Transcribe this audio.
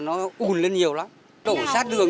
nó ủn lên nhiều lắm đổ sát đường